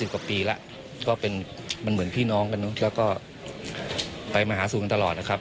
กว่าปีแล้วก็เป็นมันเหมือนพี่น้องกันเนอะแล้วก็ไปมาหาสู่กันตลอดนะครับ